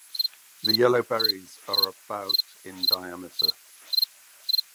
The yellow berries are about in diameter.